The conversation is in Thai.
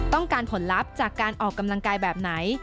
ผลลัพธ์จากการออกกำลังกายแบบไหน